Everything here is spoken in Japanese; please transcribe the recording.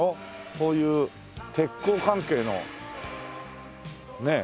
こういう鉄工関係のねえ。